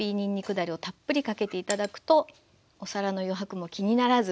だれをたっぷりかけて頂くとお皿の余白も気にならず。